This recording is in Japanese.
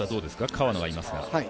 川野がいますが。